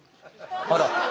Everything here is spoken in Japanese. あら。